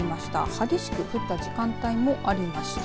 激しく降った時間帯もありました。